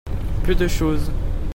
Peu de chose.